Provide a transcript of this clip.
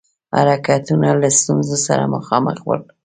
حرکتونه له ستونزو سره مخامخ ول.